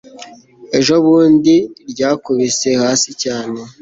ejo bundi ryankubise hasi cyane